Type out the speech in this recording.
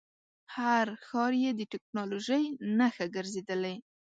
هر ښار یې د ټکنالوژۍ نښه ګرځېدلی.